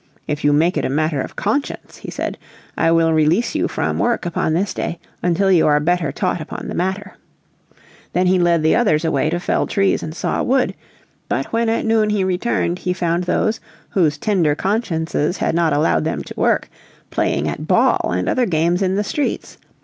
"If you make it a matter of conscience," he said, "I will release you from work upon this day until you are better taught upon the matter." Then he led the others away to fell trees and saw wood. But when at noon he returned he found those, whose tender consciences had not allowed them to work, playing at ball and other games in the streets.